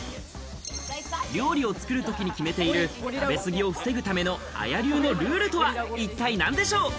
料理を作るときに決めている、食べ過ぎを防ぐためのＡＹＡ流のルールとは一体何でしょう？